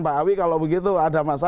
pak awi kalau begitu ada masa